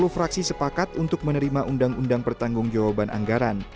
sepuluh fraksi sepakat untuk menerima undang undang pertanggung jawaban anggaran